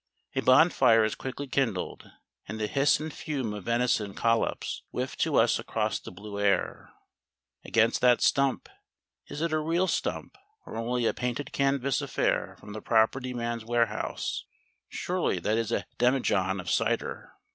A bonfire is quickly kindled, and the hiss and fume of venison collops whiff to us across the blue air. Against that stump is it a real stump, or only a painted canvas affair from the property man's warehouse? surely that is a demijohn of cider?